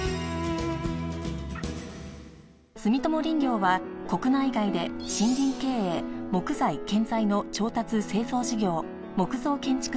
住友林業は国内外で森林経営木材建材の調達・製造事業木造建築事業